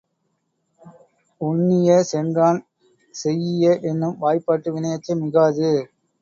உண்ணிய சென்றான் செய்யிய என்னும் வாய்பாட்டு வினையெச்சம், மிகாது.